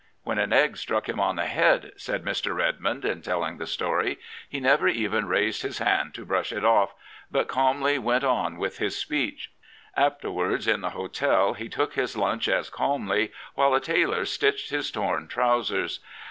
" When an egg struck him on the head," said Mr. Redmond in telling the story, " he never even raised his hand to brush it off, but calmly went on with his speech. Afterwards in the hotel he took his lunch as calmly while a tailor stitched his torn trousers."